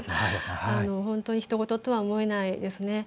本当にひと事とは思えないですね。